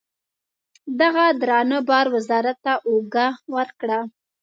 دغه درانه بار وزارت ته اوږه ورکړه.